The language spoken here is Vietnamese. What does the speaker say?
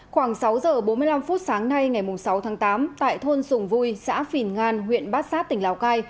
khoảng sáu giờ bốn mươi năm phút sáng nay ngày sáu tháng tám tại thôn sùng vui xã phìn ngan huyện bát sát tỉnh lào cai